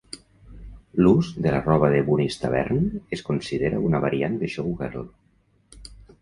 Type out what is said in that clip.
L'ús de la roba de Bunny's Tavern es considera una variant de Showgirl.